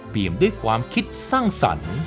ด้วยความคิดสร้างสรรค์